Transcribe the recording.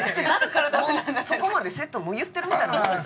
もうそこまでセットもう言ってるみたいなもんですよ